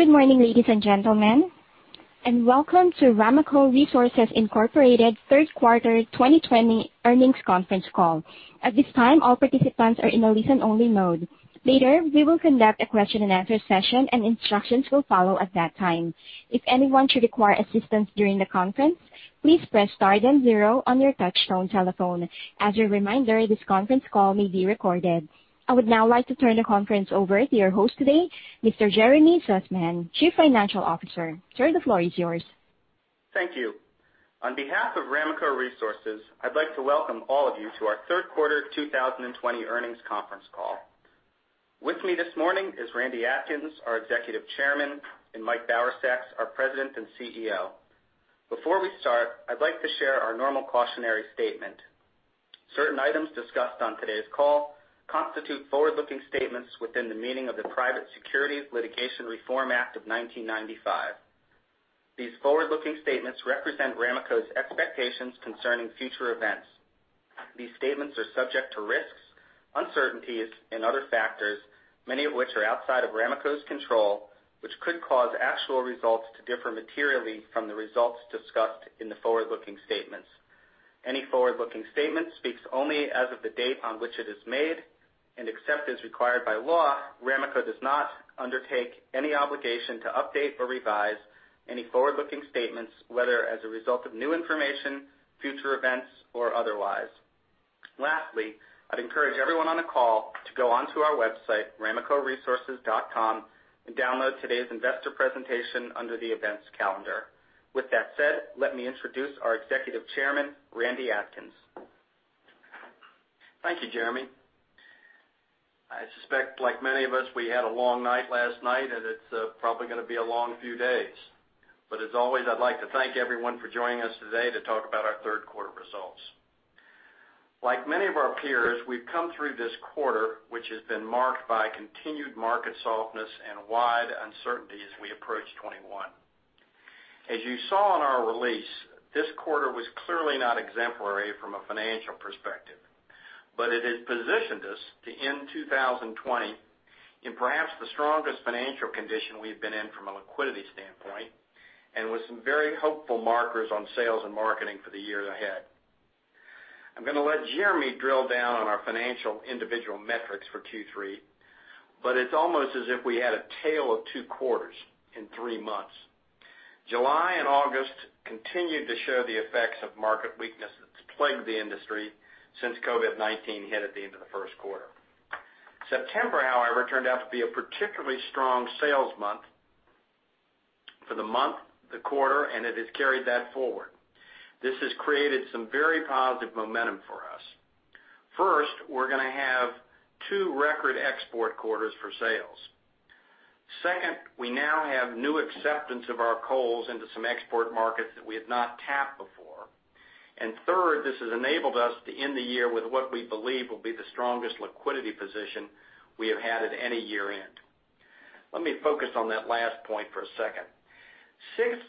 Good morning, ladies and gentlemen, and welcome to Ramaco Resources, Inc. third quarter 2020 earnings conference call. At this time, all participants are in a listen-only mode. Later, we will conduct a question and answer session, and instructions will follow at that time. If anyone should require assistance during the conference, please press star then zero on your touchtone telephone. As a reminder, this conference call may be recorded. I would now like to turn the conference over to your host today, Mr. Jeremy Sussman, Chief Financial Officer. Sir, the floor is yours. Thank you. On behalf of Ramaco Resources, I'd like to welcome all of you to our third quarter 2020 earnings conference call. With me this morning is Randall Atkins, our Executive Chairman, and Michael Bauersachs, our President and CEO. Before we start, I'd like to share our normal cautionary statement. Certain items discussed on today's call constitute forward-looking statements within the meaning of the Private Securities Litigation Reform Act of 1995. These forward-looking statements represent Ramaco's expectations concerning future events. These statements are subject to risks, uncertainties, and other factors, many of which are outside of Ramaco's control, which could cause actual results to differ materially from the results discussed in the forward-looking statements. Any forward-looking statement speaks only as of the date on which it is made, and except as required by law, Ramaco does not undertake any obligation to update or revise any forward-looking statements, whether as a result of new information, future events, or otherwise. Lastly, I'd encourage everyone on the call to go onto our website, ramacoresources.com, and download today's investor presentation under the events calendar. With that said, let me introduce our Executive Chairman, Randall Atkins. Thank you, Jeremy. I suspect, like many of us, we had a long night last night, and it's probably going to be a long few days. As always, I'd like to thank everyone for joining us today to talk about our third quarter results. Like many of our peers, we've come through this quarter, which has been marked by continued market softness and wide uncertainty as we approach 2021. As you saw in our release, this quarter was clearly not exemplary from a financial perspective, but it has positioned us to end 2020 in perhaps the strongest financial condition we've been in from a liquidity standpoint and with some very hopeful markers on sales and marketing for the year ahead. I'm going to let Jeremy drill down on our financial individual metrics for Q3, but it's almost as if we had a tale of two quarters in three months. July and August continued to show the effects of market weakness that is plagued the industry since COVID-19 hit at the end of the first quarter. September, however, turned out to be a particularly strong sales month for the month, the quarter, and it has carried that forward. This has created some very positive momentum for us. First, we are going to have two record export quarters for sales. Second, we now have new acceptance of our coals into some export markets that we have not tapped before. Third, this has enabled us to end the year with what we believe will be the strongest liquidity position we have had at any year-end. Let me focus on that last point for a second. Since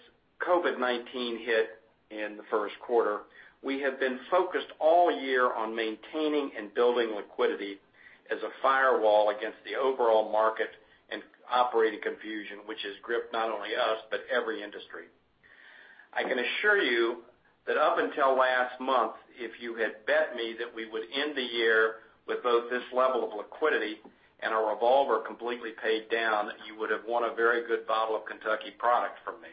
COVID-19 hit in the first quarter, we have been focused all year on maintaining and building liquidity as a firewall against the overall market and operating confusion, which has gripped not only us, but every industry. I can assure you that up until last month, if you had bet me that we would end the year with both this level of liquidity and our revolver completely paid down, you would have won a very good bottle of Kentucky product from me.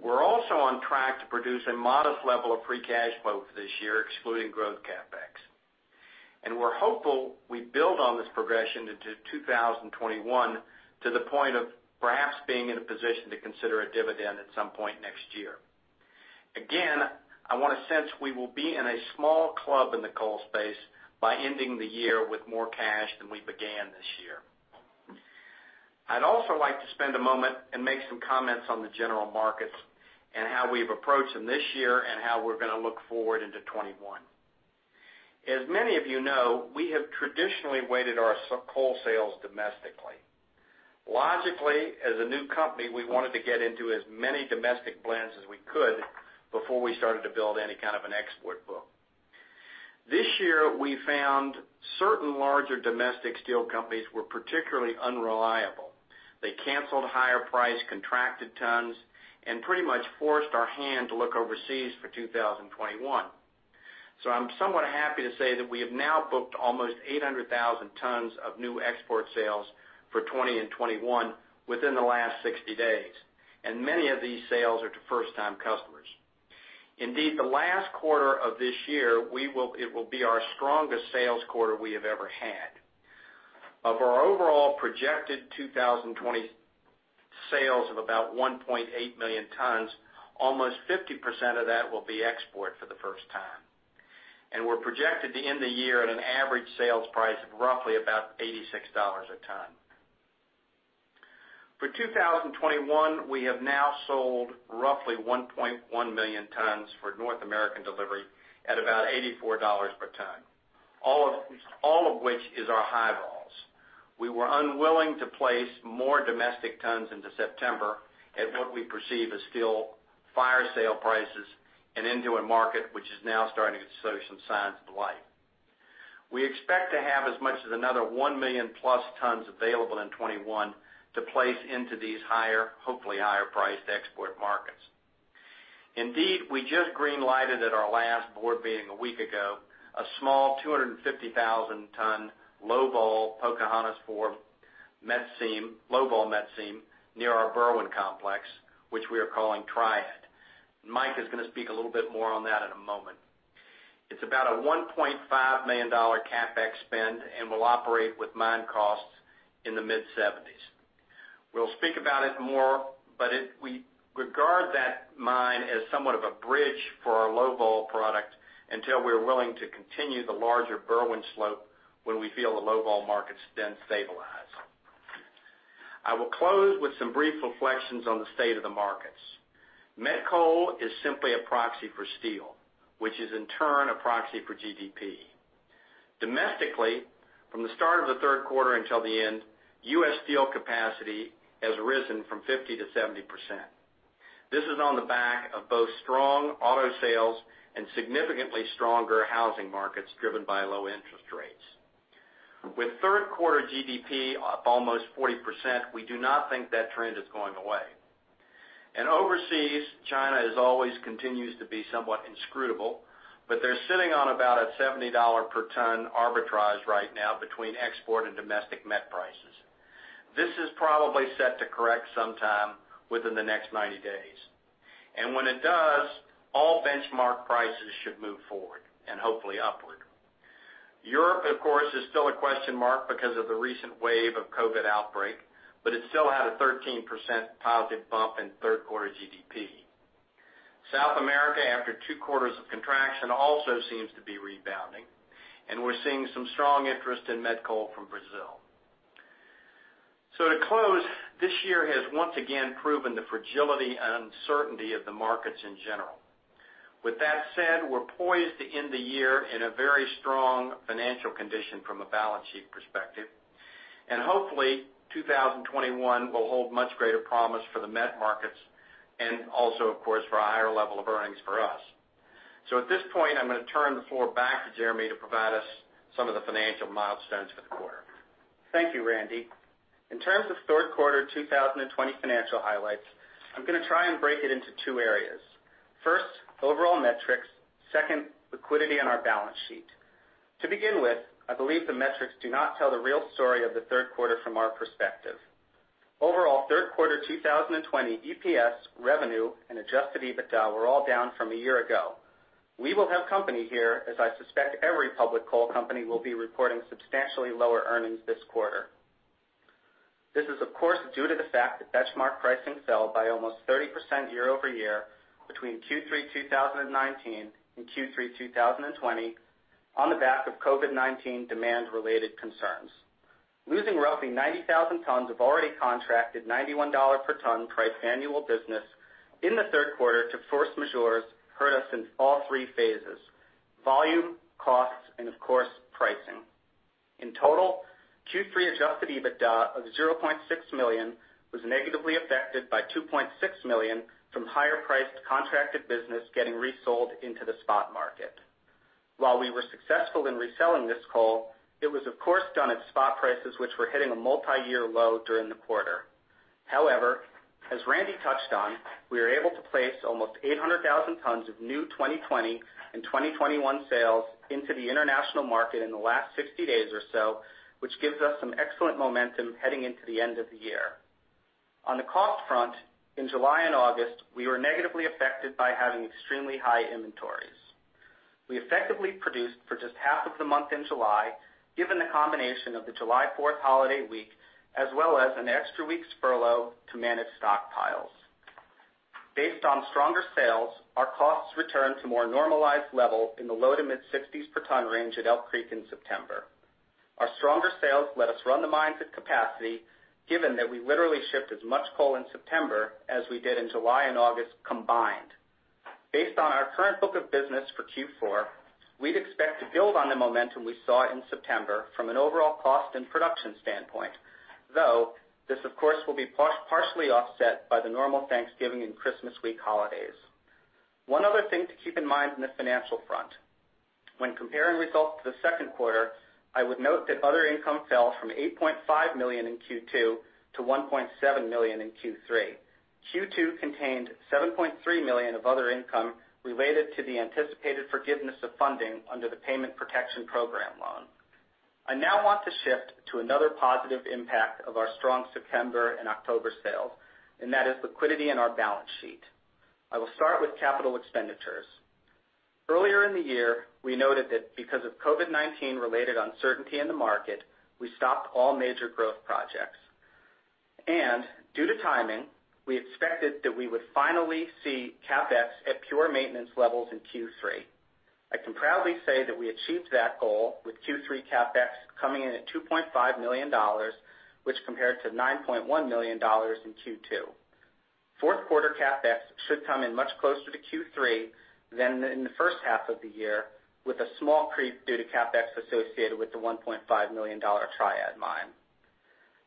We're also on track to produce a modest level of free cash flow for this year, excluding growth CapEx. We're hopeful we build on this progression into 2021 to the point of perhaps being in a position to consider a dividend at some point next year. Again, I want a sense we will be in a small club in the coal space by ending the year with more cash than we began this year. I'd also like to spend a moment and make some comments on the general markets and how we've approached them this year and how we're going to look forward into 2021. As many of you know, we have traditionally weighted our coal sales domestically. Logically, as a new company, we wanted to get into as many domestic blends as we could before we started to build any kind of an export book. This year, we found certain larger domestic steel companies were particularly unreliable. They canceled higher-priced contracted tons and pretty much forced our hand to look overseas for 2021. I'm somewhat happy to say that we have now booked almost 800,000 tons of new export sales for 2020 and 2021 within the last 60 days. Many of these sales are to first-time customers. Indeed, the last quarter of this year, it will be our strongest sales quarter we have ever had. Of our overall projected 2020 sales of about 1.8 million tons, almost 50% of that will be export for the first time. We're projected to end the year at an average sales price of roughly about $86 a ton. For 2021, we have now sold roughly 1.1 million tons for North American delivery at about $84 per ton. All of which is our high vols. We were unwilling to place more domestic tons into September at what we perceive as still fire sale prices and into a market which is now starting to show some signs of life. We expect to have as much as another 1 million plus tons available in 2021 to place into these higher, hopefully higher priced export markets. We just greenlighted at our last board meeting a week ago, a small 250,000-ton, low-vol Pocahontas No. 4 met seam, low-vol met seam, near our Berwind Complex, which we are calling Triad. Mike is going to speak a little bit more on that in a moment. It's about a $1.5 million CapEx spend and will operate with mine costs in the mid-70s. We'll speak about it more, but we regard that mine as somewhat of a bridge for our low vol product until we are willing to continue the larger Berwind slope when we feel the low vol markets then stabilize. I will close with some brief reflections on the state of the markets. Met coal is simply a proxy for steel, which is in turn a proxy for GDP. Domestically, from the start of the third quarter until the end, U.S. steel capacity has risen from 50% to 70%. This is on the back of both strong auto sales and significantly stronger housing markets driven by low interest rates. With third quarter GDP up almost 40%, we do not think that trend is going away. Overseas, China as always continues to be somewhat inscrutable, but they're sitting on about a $70 per ton arbitrage right now between export and domestic met prices. This is probably set to correct sometime within the next 90 days. When it does, all benchmark prices should move forward, and hopefully upward. Europe, of course, is still a question mark because of the recent wave of COVID-19 outbreak, but it still had a 13% positive bump in third quarter GDP. South America, after two quarters of contraction, also seems to be rebounding, and we're seeing some strong interest in met coal from Brazil. To close, this year has once again proven the fragility and uncertainty of the markets in general. That said, we're poised to end the year in a very strong financial condition from a balance sheet perspective. Hopefully, 2021 will hold much greater promise for the met markets and also of course, for a higher level of earnings for us. At this point, I'm going to turn the floor back to Jeremy to provide us some of the financial milestones for the quarter. Thank you, Randy. In terms of third quarter 2020 financial highlights, I'm going to try and break it into two areas. First, overall metrics. Second, liquidity on our balance sheet. To begin with, I believe the metrics do not tell the real story of the third quarter from our perspective. Overall third quarter 2020 EPS, revenue, and adjusted EBITDA were all down from a year ago. We will have company here, as I suspect every public coal company will be reporting substantially lower earnings this quarter. This is of course, due to the fact that benchmark pricing fell by almost 30% year-over-year between Q3 2019 and Q3 2020 on the back of COVID-19 demand related concerns. Losing roughly 90,000 tons of already contracted $91 per ton priced annual business in the third quarter to force majeures hurt us in all three phases, volume, costs, and of course, pricing. In total, Q3 adjusted EBITDA of $0.6 million was negatively affected by $2.6 million from higher priced contracted business getting resold into the spot market. While we were successful in reselling this coal, it was of course done at spot prices, which were hitting a multi-year low during the quarter. As Randy touched on, we were able to place almost 800,000 tons of new 2020 and 2021 sales into the international market in the last 60 days or so, which gives us some excellent momentum heading into the end of the year. On the cost front, in July and August, we were negatively affected by having extremely high inventories. We effectively produced for just half of the month in July, given the combination of the July 4th holiday week as well as an extra week's furlough to manage stockpiles. Based on stronger sales, our costs returned to more normalized levels in the low to mid 60s per ton range at Elk Creek in September. Our stronger sales let us run the mines at capacity, given that we literally shipped as much coal in September as we did in July and August combined. Based on our current book of business for Q4, we'd expect to build on the momentum we saw in September from an overall cost and production standpoint, though this of course will be partially offset by the normal Thanksgiving and Christmas week holidays. One other thing to keep in mind on the financial front. When comparing results to the second quarter, I would note that other income fell from $8.5 million in Q2 to $1.7 million in Q3. Q2 contained $7.3 million of other income related to the anticipated forgiveness of funding under the Paycheck Protection Program loan. I now want to shift to another positive impact of our strong September and October sales, and that is liquidity in our balance sheet. I will start with capital expenditures. Earlier in the year, we noted that because of COVID-19 related uncertainty in the market, we stopped all major growth projects. Due to timing, we expected that we would finally see CapEx at pure maintenance levels in Q3. I can proudly say that we achieved that goal with Q3 CapEx coming in at $2.5 million, which compared to $9.1 million in Q2. Fourth quarter CapEx should come in much closer to Q3 than in the first half of the year with a small creep due to CapEx associated with the $1.5 million Triad mine.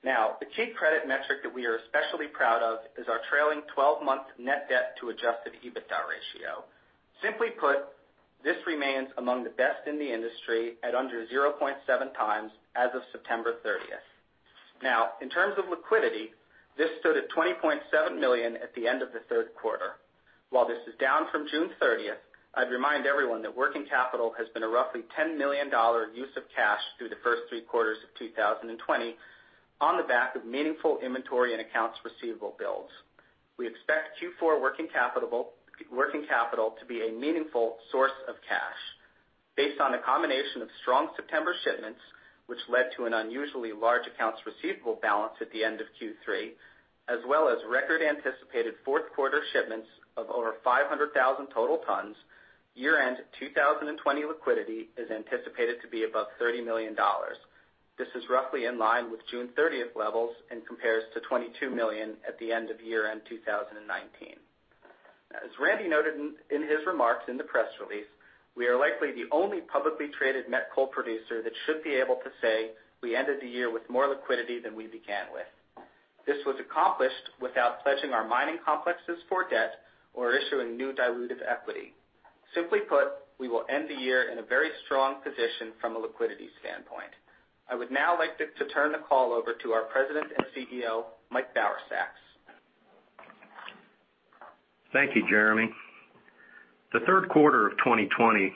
The key credit metric that we are especially proud of is our trailing 12-month net debt to adjusted EBITDA ratio. Simply put, this remains among the best in the industry at under 0.7 times as of September 30th. In terms of liquidity, this stood at $20.7 million at the end of the third quarter. While this is down from June 30th, I'd remind everyone that working capital has been a roughly $10 million use of cash through the first three quarters of 2020 on the back of meaningful inventory and accounts receivable builds. We expect Q4 working capital to be a meaningful source of cash. Based on a combination of strong September shipments, which led to an unusually large accounts receivable balance at the end of Q3, as well as record anticipated fourth quarter shipments of over 500,000 total tons, year-end 2020 liquidity is anticipated to be above $30 million. This is roughly in line with June 30th levels and compares to $22 million at the end of year-end 2019. Now, as Randy noted in his remarks in the press release, we are likely the only publicly traded met coal producer that should be able to say we ended the year with more liquidity than we began with. This was accomplished without pledging our mining complexes for debt or issuing new dilutive equity. Simply put, we will end the year in a very strong position from a liquidity standpoint. I would now like to turn the call over to our President and CEO, Michael Bauersachs. Thank you, Jeremy. The third quarter of 2020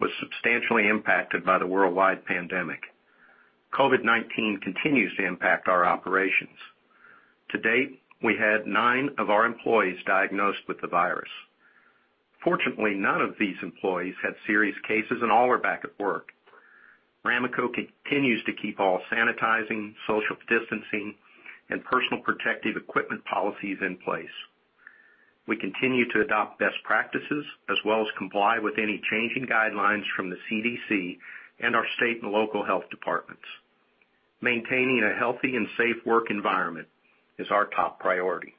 was substantially impacted by the worldwide pandemic. COVID-19 continues to impact our operations. To date, we had nine of our employees diagnosed with the virus. Fortunately, none of these employees had serious cases and all are back at work. Ramaco continues to keep all sanitizing, social distancing, and personal protective equipment policies in place. We continue to adopt best practices as well as comply with any changing guidelines from the CDC and our state and local health departments. Maintaining a healthy and safe work environment is our top priority.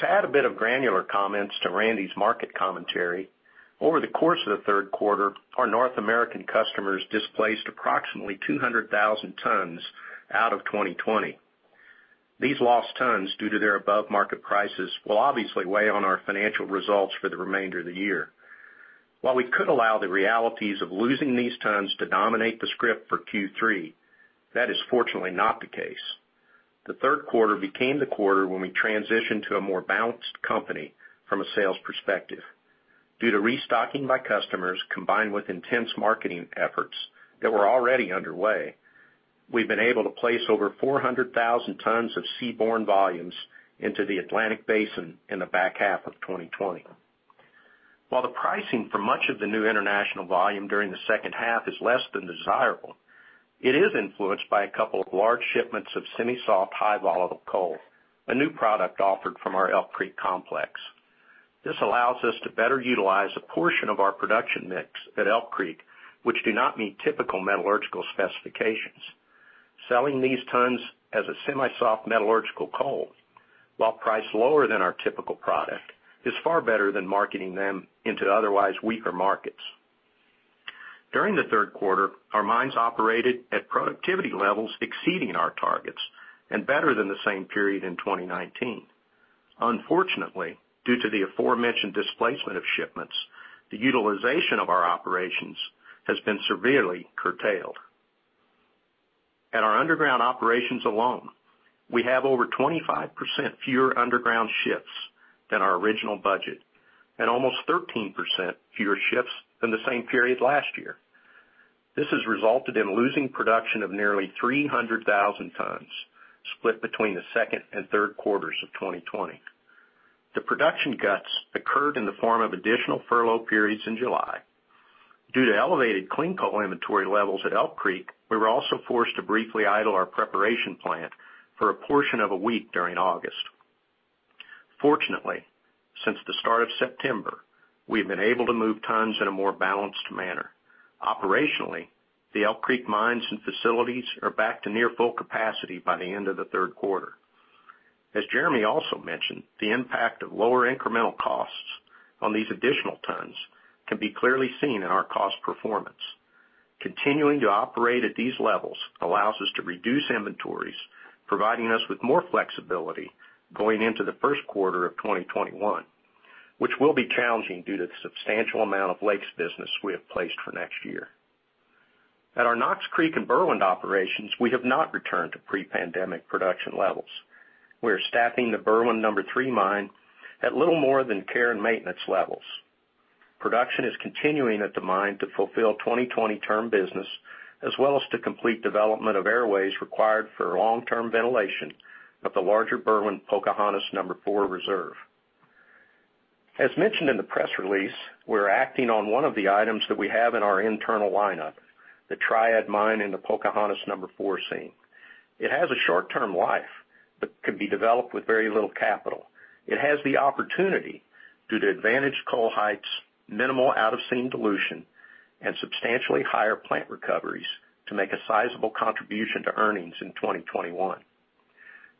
To add a bit of granular comments to Randy's market commentary, over the course of the third quarter, our North American customers displaced approximately 200,000 tons out of 2020. These lost tons, due to their above-market prices, will obviously weigh on our financial results for the remainder of the year. While we could allow the realities of losing these tons to dominate the script for Q3, that is fortunately not the case. The third quarter became the quarter when we transitioned to a more balanced company from a sales perspective. Due to restocking by customers combined with intense marketing efforts that were already underway, we've been able to place over 400,000 tons of seaborne volumes into the Atlantic Basin in the back half of 2020. While the pricing for much of the new international volume during the second half is less than desirable, it is influenced by a couple of large shipments of semi-soft, high volatile coal, a new product offered from our Elk Creek complex. This allows us to better utilize a portion of our production mix at Elk Creek, which do not meet typical metallurgical specifications. Selling these tons as a semi-soft metallurgical coal, while priced lower than our typical product, is far better than marketing them into otherwise weaker markets. During the third quarter, our mines operated at productivity levels exceeding our targets and better than the same period in 2019. Unfortunately, due to the aforementioned displacement of shipments, the utilization of our operations has been severely curtailed. At our underground operations alone, we have over 25% fewer underground shifts than our original budget and almost 13% fewer shifts than the same period last year. This has resulted in losing production of nearly 300,000 tons, split between the second and third quarters of 2020. The production cuts occurred in the form of additional furlough periods in July. Due to elevated clean coal inventory levels at Elk Creek, we were also forced to briefly idle our preparation plant for a portion of a week during August. Fortunately, since the start of September, we've been able to move tons in a more balanced manner. Operationally, the Elk Creek mines and facilities are back to near full capacity by the end of the third quarter. As Jeremy also mentioned, the impact of lower incremental costs on these additional tons can be clearly seen in our cost performance. Continuing to operate at these levels allows us to reduce inventories, providing us with more flexibility going into the first quarter of 2021, which will be challenging due to the substantial amount of lakes business we have placed for next year. At our Knox Creek and Berwind operations, we have not returned to pre-pandemic production levels. We are staffing the Berwind Number 3 mine at little more than care and maintenance levels. Production is continuing at the mine to fulfill 2020 term business, as well as to complete development of airways required for long-term ventilation of the larger Berwind Pocahontas No. 4 reserve. As mentioned in the press release, we're acting on one of the items that we have in our internal lineup, the Triad Mine in the Pocahontas No. 4 seam. It has a short-term life, but could be developed with very little capital. It has the opportunity, due to advantaged coal heights, minimal out-of-seam dilution, and substantially higher plant recoveries, to make a sizable contribution to earnings in 2021.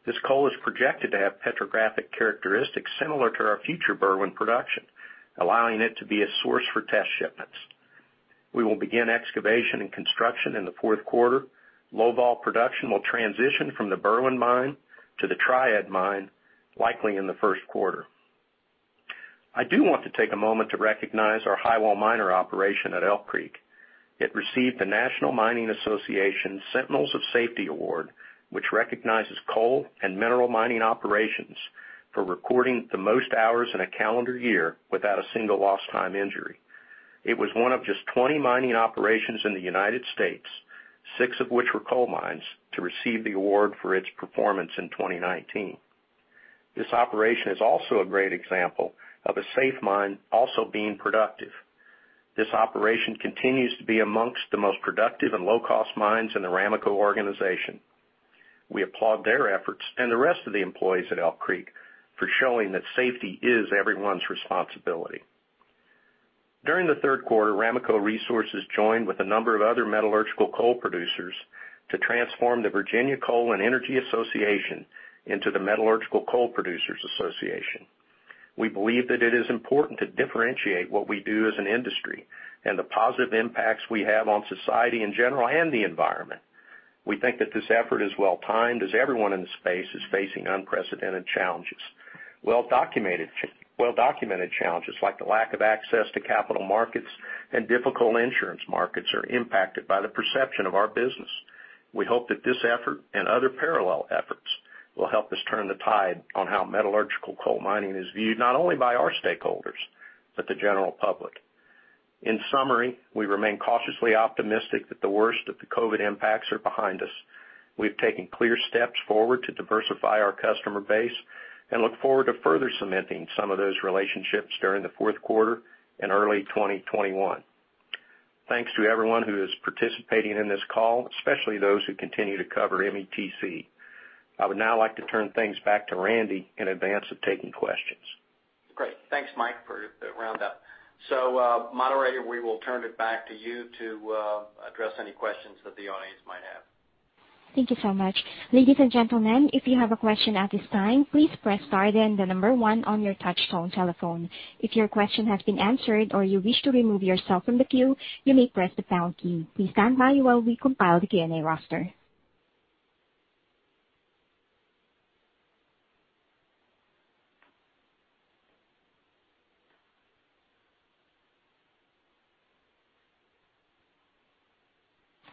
This coal is projected to have petrographic characteristics similar to our future Berwind production, allowing it to be a source for test shipments. We will begin excavation and construction in the fourth quarter. Low-vol production will transition from the Berwind mine to the Triad mine, likely in the first quarter. I do want to take a moment to recognize our Highwall Miner operation at Elk Creek. It received the National Mining Association Sentinels of Safety Award, which recognizes coal and mineral mining operations for recording the most hours in a calendar year without a single lost time injury. It was one of just 20 mining operations in the U.S., six of which were coal mines, to receive the award for its performance in 2019. This operation is also a great example of a safe mine also being productive. This operation continues to be amongst the most productive and low-cost mines in the Ramaco organization. We applaud their efforts and the rest of the employees at Elk Creek for showing that safety is everyone's responsibility. During the third quarter, Ramaco Resources joined with a number of other metallurgical coal producers to transform the Virginia Coal and Energy Alliance into the Metallurgical Coal Producers Association. We believe that it is important to differentiate what we do as an industry and the positive impacts we have on society in general and the environment. We think that this effort is well-timed as everyone in the space is facing unprecedented challenges. Well-documented challenges like the lack of access to capital markets and difficult insurance markets are impacted by the perception of our business. We hope that this effort and other parallel efforts will help us turn the tide on how metallurgical coal mining is viewed, not only by our stakeholders, but the general public. In summary, we remain cautiously optimistic that the worst of the COVID-19 impacts are behind us. We've taken clear steps forward to diversify our customer base and look forward to further cementing some of those relationships during the fourth quarter and early 2021. Thanks to everyone who is participating in this call, especially those who continue to cover METC. I would now like to turn things back to Randy in advance of taking questions. Great. Thanks, Mike, for the roundup. Moderator, we will turn it back to you to address any questions that the audience might have. Thank you so much. Ladies and gentlemen,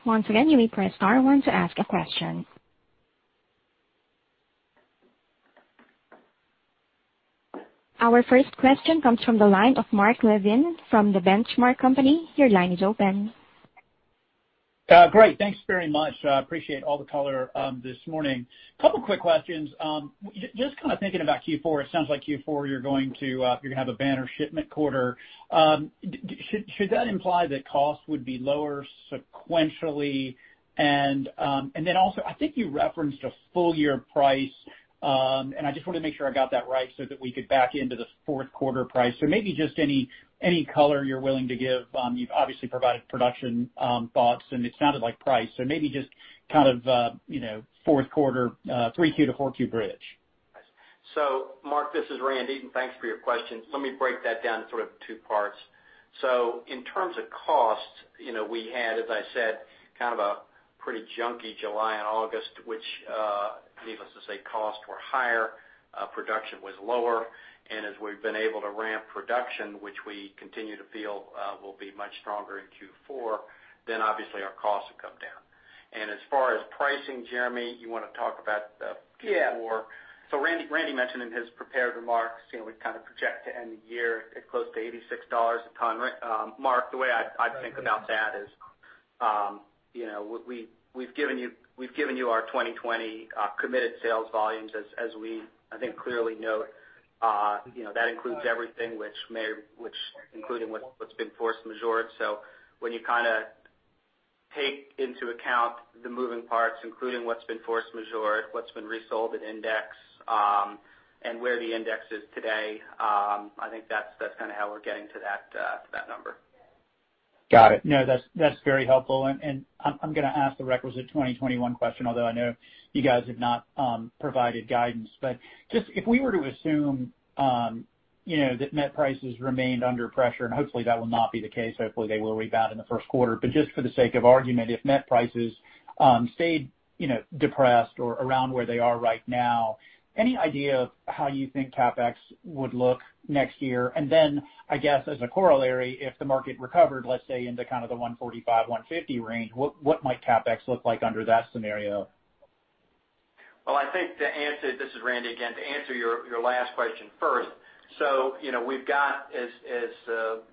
Our first question comes from the line of Mark Levin from The Benchmark Company. Your line is open. Great. Thanks very much. I appreciate all the color this morning. Couple quick questions. Just thinking about Q4, it sounds like Q4, you have a banner shipment quarter. Should that imply that costs would be lower sequentially? I think you referenced a full-year price, and I just want to make sure I got that right so that we could back into the fourth quarter price. Maybe just any color you're willing to give. You've obviously provided production thoughts, and it sounded like price. Maybe just fourth quarter, 3Q to 4Q bridge. Mark, this is Randy, and thanks for your question. Let me break that down into two parts. In terms of costs, we had, as I said, a pretty junky July and August, which, needless to say, costs were higher, production was lower. As we've been able to ramp production, which we continue to feel will be much stronger in Q4, then obviously our costs have come down. As far as pricing, Jeremy, you want to talk about the Q4? Yeah. Randy mentioned in his prepared remarks, we project to end the year at close to $86 a ton. Mark, the way I think about that is we've given you our 2020 committed sales volumes as we, I think, clearly note that includes everything including what's been force majeure. When you take into account the moving parts, including what's been force majeure, what's been resold at index, and where the index is today, I think that's how we're getting to that number. Got it. No, that's very helpful. I'm going to ask the requisite 2021 question, although I know you guys have not provided guidance. Just if we were to assume that met prices remained under pressure, and hopefully that will not be the case, hopefully they will rebound in the first quarter. Just for the sake of argument, if met prices stayed depressed or around where they are right now, any idea of how you think CapEx would look next year? Then I guess as a corollary, if the market recovered, let's say into the $145-$150 range, what might CapEx look like under that scenario? Well, this is Randy again. To answer your last question first. We've got, as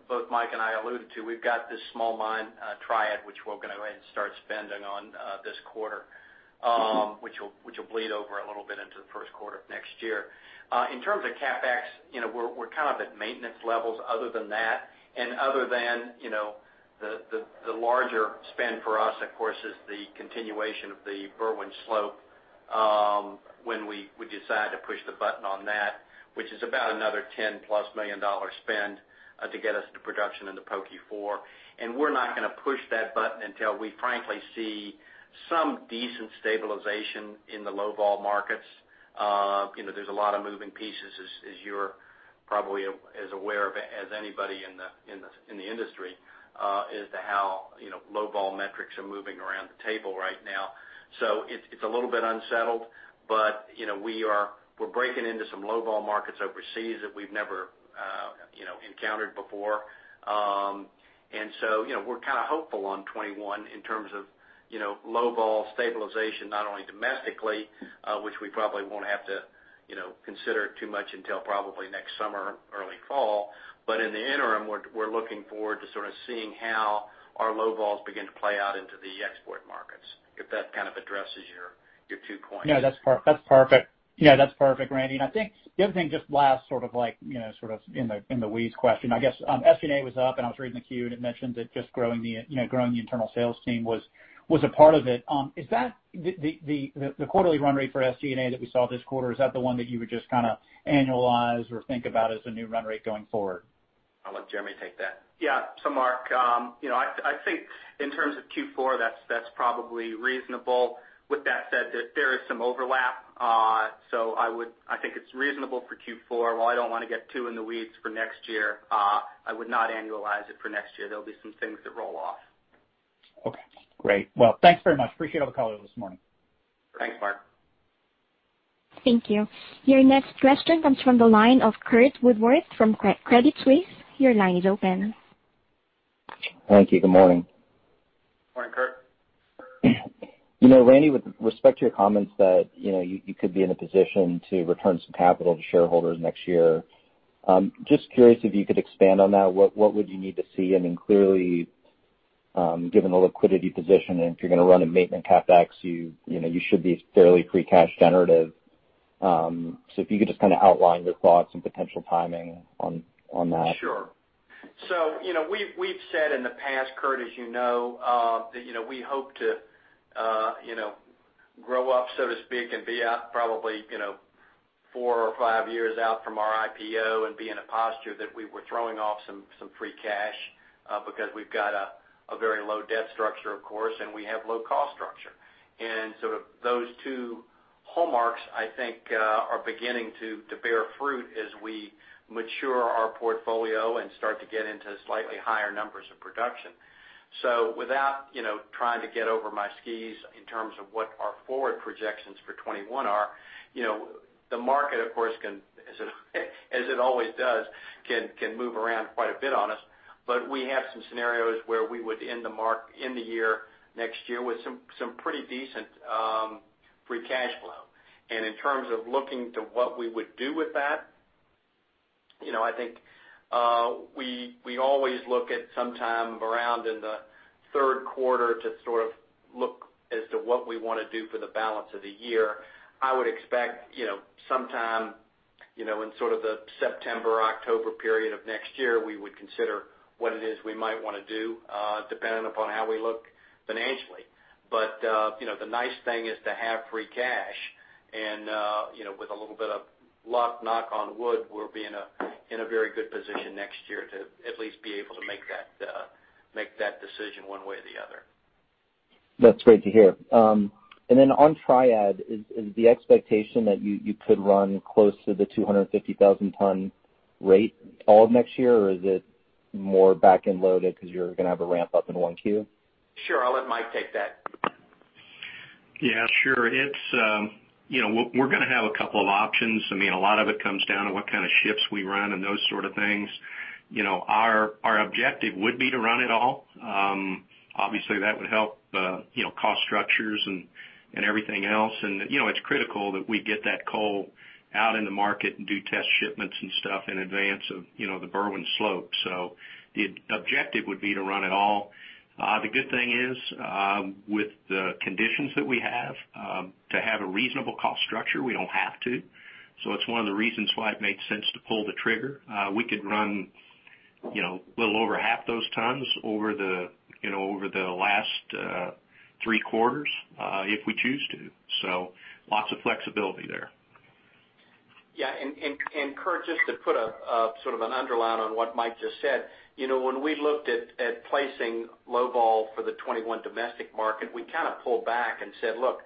both Mike and I alluded to, we've got this small mine, Triad, which we're going to go ahead and start spending on this quarter, which will bleed over a little bit into the first quarter of next year. In terms of CapEx, we're at maintenance levels other than that. Other than the larger spend for us, of course, is the continuation of the Berwind Slope when we decide to push the button on that, which is about another $10+ million spend to get us to production into Pocahontas No. 4. We're not going to push that button until we frankly see some decent stabilization in the low-vol markets. There's a lot of moving pieces, as you're probably as aware of as anybody in the industry as to how low-vol metrics are moving around the table right now. It's a little bit unsettled, but we're breaking into some low-vol markets overseas that we've never encountered before. We're kind of hopeful on 2021 in terms of low-vol stabilization, not only domestically, which we probably won't have to consider too much until probably next summer or early fall. In the interim, we're looking forward to sort of seeing how our low-vol's begin to play out into the export markets, if that kind of addresses your two points. No, that's perfect. Yeah, that's perfect, Randy. I think the other thing, just last sort of in the weeds question, I guess SG&A was up, and I was reading the Q, and it mentioned that just growing the internal sales team was a part of it. The quarterly run rate for SG&A that we saw this quarter, is that the one that you would just kind of annualize or think about as a new run rate going forward? I'll let Jeremy take that. Mark, I think in terms of Q4, that's probably reasonable. With that said, there is some overlap. I think it's reasonable for Q4. While I don't want to get too in the weeds for next year, I would not annualize it for next year. There'll be some things that roll off. Okay, great. Thanks very much. Appreciate all the color this morning. Thanks, Mark. Thank you. Your next question comes from the line of Curt Woodworth from Credit Suisse. Your line is open. Thank you. Good morning. Morning, Curt. Randy, with respect to your comments that you could be in a position to return some capital to shareholders next year, just curious if you could expand on that. What would you need to see? I mean, clearly, given the liquidity position, if you're going to run a maintenance CapEx, you should be fairly free cash generative. If you could just kind of outline your thoughts and potential timing on that. Sure. We've said in the past, Curt, as you know, that we hope to grow up, so to speak, and be out probably four or five years out from our IPO and be in a posture that we were throwing off some free cash, because we've got a very low debt structure, of course, and we have low cost structure. Those two hallmarks, I think, are beginning to bear fruit as we mature our portfolio and start to get into slightly higher numbers of production. Without trying to get over my skis in terms of what our forward projections for 2021 are. The market, of course, as it always does, can move around quite a bit on us. We have some scenarios where we would end the year next year with some pretty decent free cash flow. In terms of looking to what we would do with that, I think we always look at some time around in the third quarter to sort of look as to what we want to do for the balance of the year. I would expect sometime in sort of the September, October period of next year, we would consider what it is we might want to do, depending upon how we look financially. The nice thing is to have free cash and with a little bit of luck, knock on wood, we'll be in a very good position next year to at least be able to make that decision one way or the other. That's great to hear. On Triad, is the expectation that you could run close to the 250,000 ton rate all of next year? Is it more back-end loaded because you're going to have a ramp up in one Q? Sure. I'll let Mike take that. Yeah, sure. We're going to have a couple of options. I mean, a lot of it comes down to what kind of [ships] we run and those sort of things. Our objective would be to run it all. Obviously that would help cost structures and everything else. It's critical that we get that coal out in the market and do test shipments and stuff in advance of the Berwind slope. The objective would be to run it all. The good thing is, with the conditions that we have, to have a reasonable cost structure, we don't have to. It's one of the reasons why it made sense to pull the trigger. We could run a little over half those tons over the last three quarters, if we choose to. Lots of flexibility there. Yeah. Curt, just to put a sort of an underline on what Mike just said. When we looked at placing low-vol for the 2021 domestic market, we kind of pulled back and said, "Look,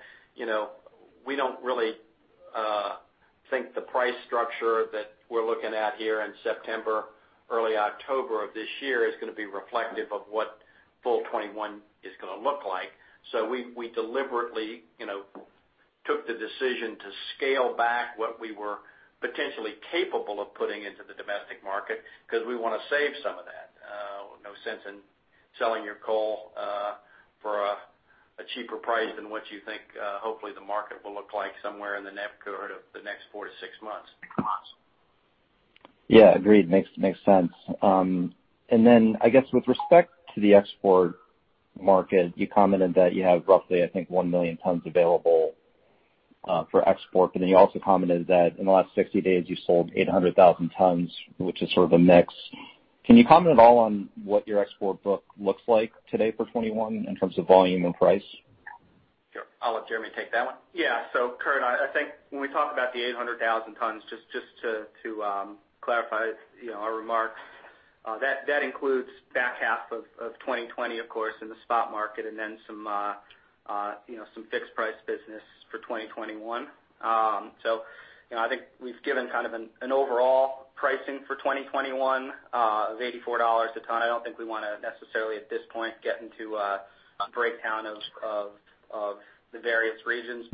we don't really think the price structure that we're looking at here in September, early October of this year is going to be reflective of what full 2021 is going to look like." We deliberately took the decision to scale back what we were potentially capable of putting into the domestic market because we want to save some of that. No sense in selling your coal for a cheaper price than what you think hopefully the market will look like somewhere in the neighborhood of the next four to six months. Yeah, agreed. Makes sense. I guess with respect to the export market, you commented that you have roughly, I think, 1 million tons available for export. You also commented that in the last 60 days, you sold 800,000 tons, which is sort of a mix. Can you comment at all on what your export book looks like today for 2021 in terms of volume and price? I'll let Jeremy take that one. Yeah. Curt, I think when we talk about the 800,000 tons, just to clarify our remarks, that includes back half of 2020, of course, in the spot market and then some fixed price business for 2021. I think we've given kind of an overall pricing for 2021 of $84 a ton. I don't think we want to necessarily, at this point, get into a breakdown of the various regions.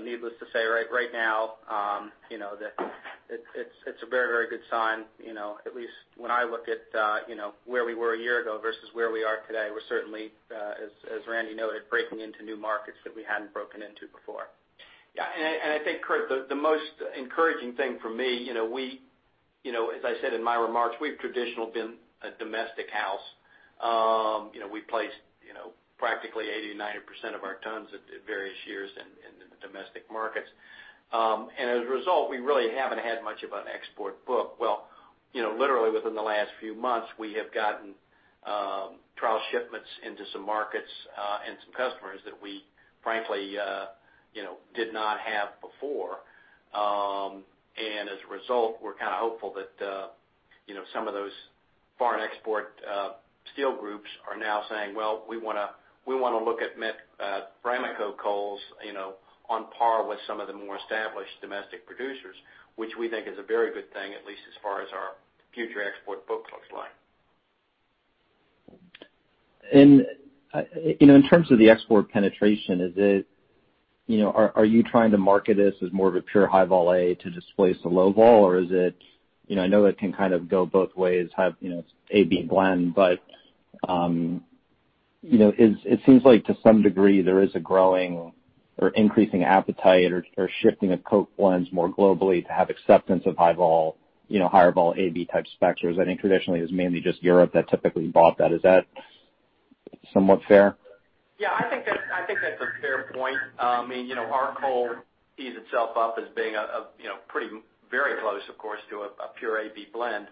Needless to say, right now, that it's a very good sign. At least when I look at where we were a year ago versus where we are today. We're certainly, as Randy noted, breaking into new markets that we hadn't broken into before. Yeah. I think, Curt, the most encouraging thing for me, as I said in my remarks, we've traditional been a domestic house. We placed practically 80%-90% of our tons at various years in the domestic markets. As a result, we really haven't had much of an export book. Well, literally within the last few months, we have gotten trial shipments into some markets, and some customers that we frankly did not have before. As a result, we're kind of hopeful that some of those foreign export steel groups are now saying, "Well, we want to look at Ramaco coals on par with some of the more established domestic producers," which we think is a very good thing, at least as far as our future export book looks like. In terms of the export penetration, are you trying to market this as more of a pure high vol A to displace the low vol? Is it, I know it can kind of go both ways, have A, B blend, but it seems like to some degree, there is a growing or increasing appetite or shifting of coke blends more globally to have acceptance of higher vol A, B type specs. I think traditionally it was mainly just Europe that typically bought that. Is that somewhat fair? Yeah, I think that's a fair point. Our coal tees itself up as being very close, of course, to a pure A, B blend.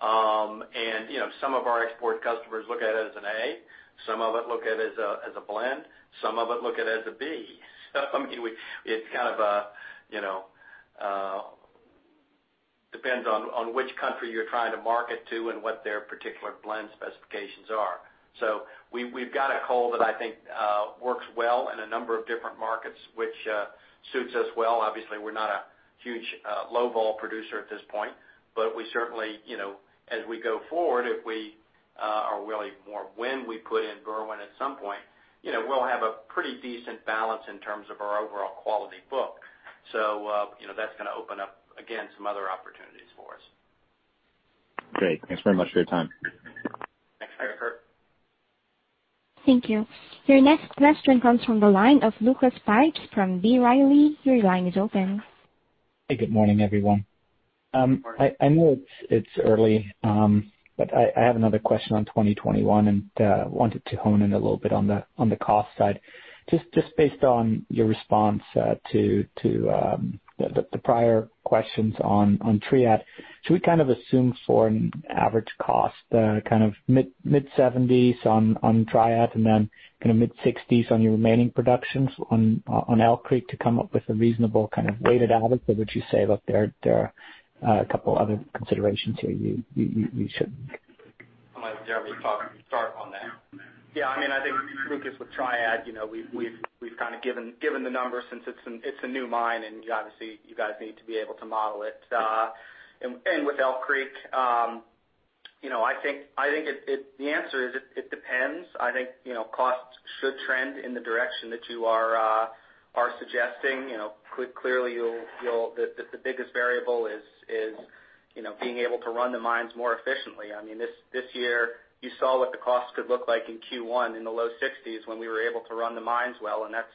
Some of our export customers look at it as an A, some of it look at it as a blend, some of it look at it as a B. It kind of depends on which country you're trying to market to and what their particular blend specifications are. We've got a coal that I think works well in a number of different markets, which suits us well. Obviously, we're not a huge low vol producer at this point, but we certainly, as we go forward, if we are willing, or when we put in Berwind at some point, we'll have a pretty decent balance in terms of our overall quality book. That's going to open up, again, some other opportunities for us. Great. Thanks very much for your time. Thanks, Curt. Thank you. Your next question comes from the line of Lucas Pipes from B. Riley. Your line is open. Hey, good morning, everyone. Good morning. I know it's early, but I have another question on 2021, and wanted to hone in a little bit on the cost side. Just based on your response to the prior questions on Triad, should we kind of assume for an average cost, kind of mid-70s on Triad, and then kind of mid-60s on your remaining productions on Elk Creek to come up with a reasonable kind of weighted average? Would you say, look, there are a couple other considerations here you should- I'm going to let Jeremy talk, start on that. Yeah, I think Lucas with Triad we've kind of given the numbers since it's a new mine, obviously you guys need to be able to model it. With Elk Creek, I think the answer is, it depends. I think costs should trend in the direction that you are suggesting. Clearly the biggest variable is being able to run the mines more efficiently. This year you saw what the cost could look like in Q1, in the low 60s when we were able to run the mines well, that's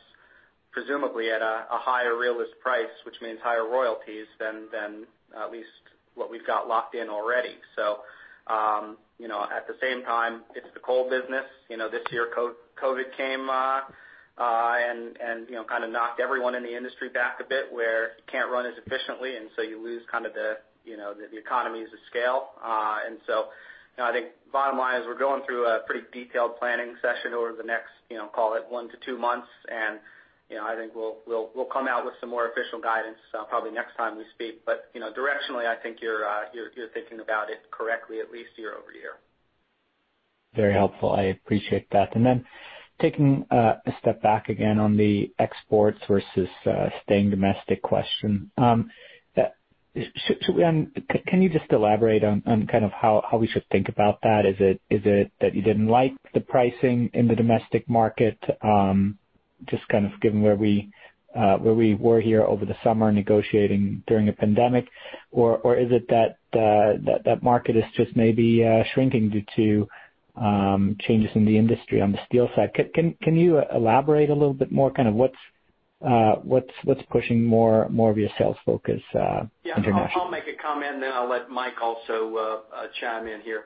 presumably at a higher realized price, which means higher royalties than at least what we've got locked in already. At the same time, it's the coal business. This year COVID came, kind of knocked everyone in the industry back a bit where you can't run as efficiently, so you lose kind of the economies of scale. I think bottom line is we're going through a pretty detailed planning session over the next, call it one to two months, and I think we'll come out with some more official guidance probably next time we speak. Directionally, I think you're thinking about it correctly, at least year-over-year. Very helpful. I appreciate that. Then taking a step back again on the exports versus staying domestic question. Can you just elaborate on kind of how we should think about that? Is it that you didn't like the pricing in the domestic market? Just kind of given where we were here over the summer negotiating during a pandemic, or is it that that market is just maybe shrinking due to changes in the industry on the steel side? Can you elaborate a little bit more kind of what's pushing more of your sales focus internationally? Yeah. I'll make a comment, then I'll let Mike also chime in here.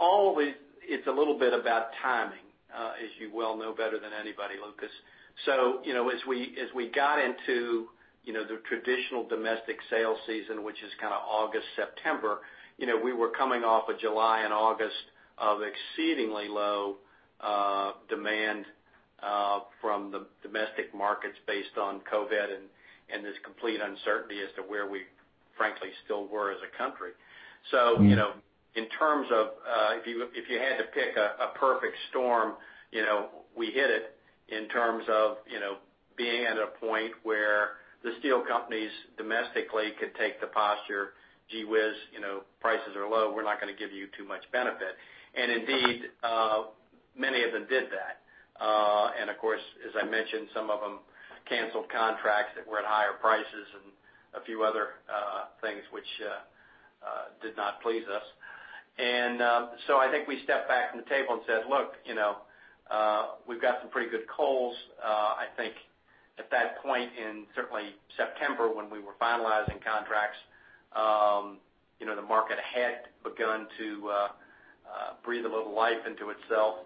Always it's a little bit about timing, as you well know better than anybody, Lucas. As we got into the traditional domestic sales season, which is kind of August, September, we were coming off of July and August of exceedingly low demand from the domestic markets based on COVID-19 and this complete uncertainty as to where we frankly still were as a country. In terms of if you had to pick a perfect storm, we hit it in terms of being at a point where the steel companies domestically could take the posture, "Gee whiz, prices are low, we're not going to give you too much benefit." Indeed, many of them did that. Of course, as I mentioned, some of them canceled contracts that were at higher prices and a few other things which did not please us. I think we stepped back from the table and said, "Look, we've got some pretty good coals." I think at that point, in certainly September, when we were finalizing contracts, the market had begun to breathe a little life into itself.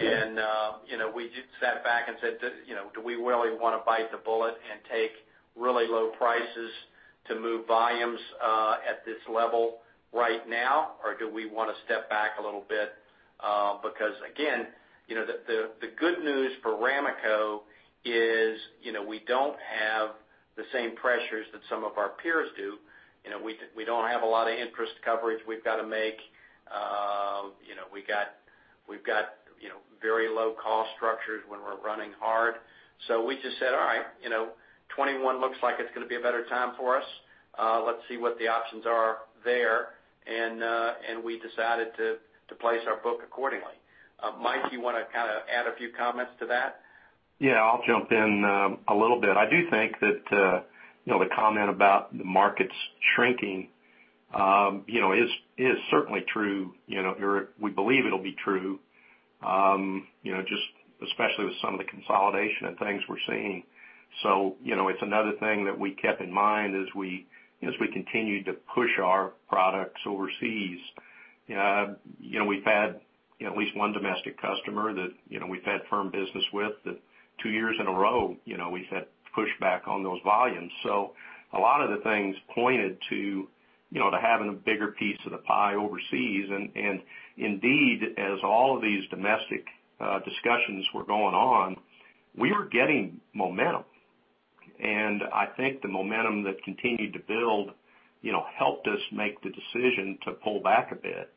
We just sat back and said, "Do we really want to bite the bullet and take really low prices to move volumes at this level right now, or do we want to step back a little bit?" Again, the good news for Ramaco is we don't have the same pressures that some of our peers do. We don't have a lot of interest coverage we've got to make. We've got very low cost structures when we're running hard. We just said, "All right. 2021 looks like it's going to be a better time for us. Let's see what the options are there." We decided to place our book accordingly. Mike, you want to kind of add a few comments to that? I'll jump in a little bit. I do think that the comment about the markets shrinking is certainly true. We believe it'll be true, especially with some of the consolidation and things we're seeing. It's another thing that we kept in mind as we continued to push our products overseas. We've had at least one domestic customer that we've had firm business with that two years in a row we've had pushback on those volumes. A lot of the things pointed to having a bigger piece of the pie overseas. Indeed, as all of these domestic discussions were going on, we were getting momentum. I think the momentum that continued to build helped us make the decision to pull back a bit.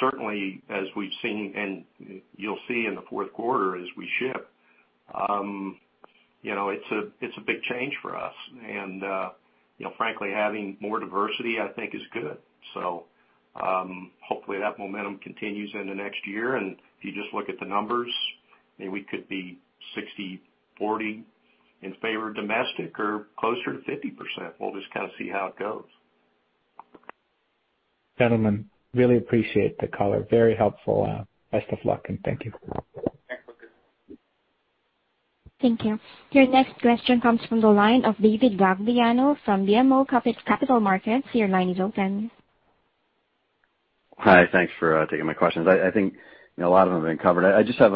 Certainly as we've seen, and you'll see in the fourth quarter as we ship, it's a big change for us. Frankly, having more diversity I think is good. Hopefully that momentum continues into next year. If you just look at the numbers, we could be 60/40 in favor of domestic or closer to 50%. We'll just kind of see how it goes. Gentlemen, really appreciate the color. Very helpful. Best of luck, and thank you. Thanks. Thanks. Thank you. Your next question comes from the line of David Gagliano from BMO Capital Markets. Your line is open. Hi. Thanks for taking my questions. I think a lot of them have been covered. I just have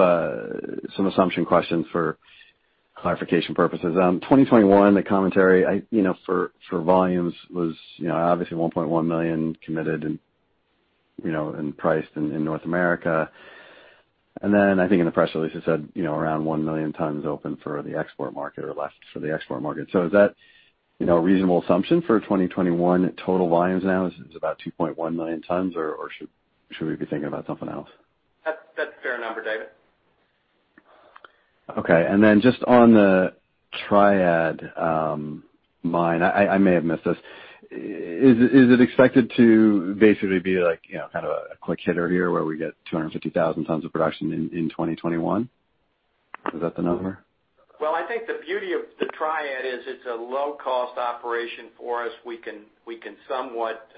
some assumption questions for clarification purposes. 2021, the commentary for volumes was obviously 1.1 million committed and priced in North America. Then I think in the press release it said around 1 million tons open for the export market or left for the export market. Is that a reasonable assumption for 2021 total volumes now is about 2.1 million tons, or should we be thinking about something else? That's a fair number, David. Okay. Just on the Triad mine, I may have missed this. Is it expected to basically be kind of a quick hitter here where we get 250,000 tons of production in 2021? Is that the number? Well, I think the beauty of the Triad is it's a low-cost operation for us. We can somewhat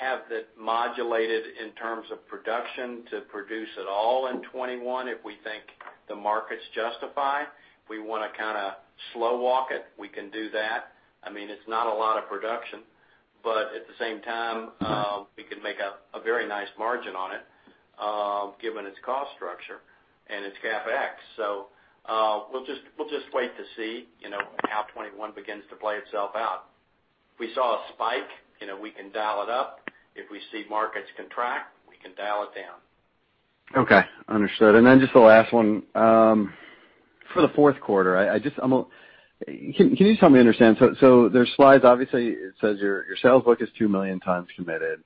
have it modulated in terms of production to produce it all in 2021 if we think the markets justify. If we want to kind of slow walk it, we can do that. It's not a lot of production, at the same time, we can make a very nice margin on it given its cost structure and its CapEx. We'll just wait to see how 2021 begins to play itself out. If we saw a spike, we can dial it up. If we see markets contract, we can dial it down. Okay. Understood. Then just the last one. For the fourth quarter, can you just help me understand? There's slides, obviously, it says your sales book is 2 million tons committed,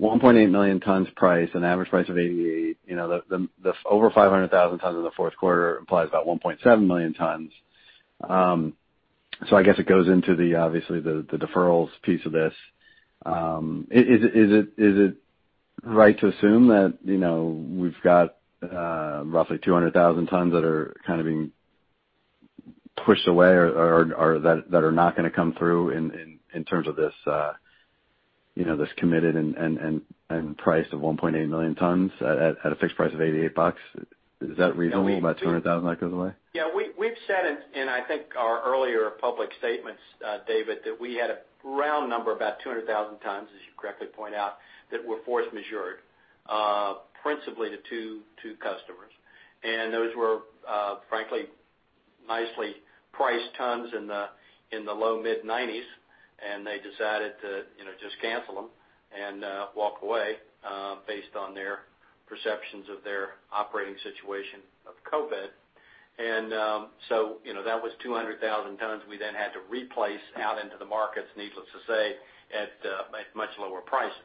1.8 million tons priced, an average price of $88. The over 500,000 tons in the fourth quarter implies about 1.7 million tons. I guess it goes into obviously the deferrals piece of this. Is it right to assume that we've got roughly 200,000 tons that are kind of being pushed away or that are not going to come through in terms of this committed and priced at 1.8 million tons at a fixed price of $88? Is that reasonable? About 200,000 that goes away? Yeah. We've said in I think our earlier public statements, David, that we had a round number, about 200,000 tons, as you correctly point out, that were force majeure. Principally to two customers. Those were frankly nicely priced tons in the low mid-$90s, and they decided to just cancel them and walk away based on their perceptions of their operating situation of COVID-19. That was 200,000 tons we then had to replace out into the markets, needless to say, at much lower prices.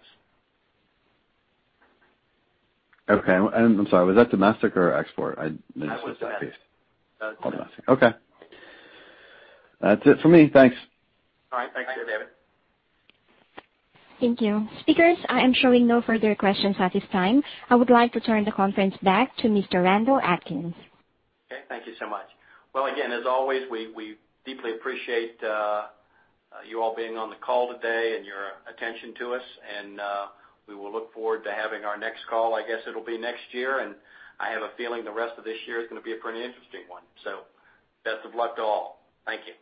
Okay. I'm sorry, was that domestic or export? I missed that piece. That was domestic. Domestic. Okay. That's it for me. Thanks. All right. Thanks, David. Thank you. Speakers, I am showing no further questions at this time. I would like to turn the conference back to Mr. Randall Atkins. Okay. Thank you so much. Well, again, as always, we deeply appreciate you all being on the call today and your attention to us. We will look forward to having our next call. I guess it'll be next year. I have a feeling the rest of this year is going to be a pretty interesting one. Best of luck to all. Thank you.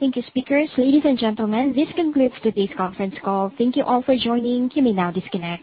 Thank you, speakers. Ladies and gentlemen, this concludes today's conference call. Thank you all for joining. You may now disconnect.